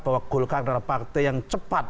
bahwa golkar adalah partai yang cepat